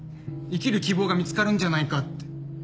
生きる希望が見つかるんじゃないかって。